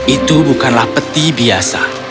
itu bukanlah peti biasa